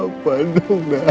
aku jadi parah